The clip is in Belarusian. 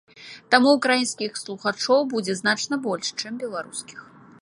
Таму ўкраінскіх слухачоў будзе значна больш, чым беларускіх.